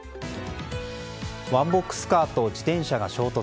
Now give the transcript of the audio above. ワンボックスカーと自転車が衝突。